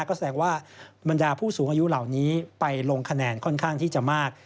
ก็แสดงว่าบรรดาผู้สูงอายุเหล่านี้ไปลงคะแนนค่อนข้างที่จะมาก